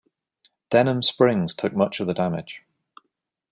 Denham Springs took much of the damage.